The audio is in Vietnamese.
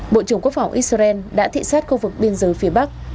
bộ trưởng quốc phòng israel đã thị xát khu vực biên giới phía bắc